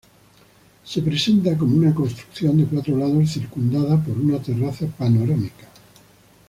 Se presenta como una construcción de cuatro lados circundada por una terraza panorámica.